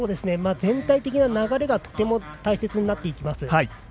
全体的な流れがとても大切になっていきます。